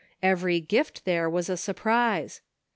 Every gift there was a sur prise.